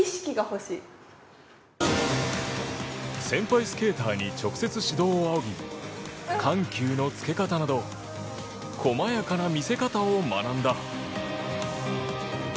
先輩スケーターに直接指導を仰ぎ緩急のつけ方など細やかな見せ方を学んだ。